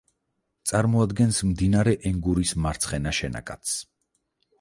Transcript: წარმოადგენს მდინარე ენგურის მარცხენა შენაკადს.